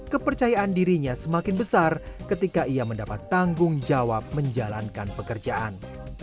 kepercayaan dirinya semakin besar ketika ia mendapat tanggung jawab menjalankan pekerjaan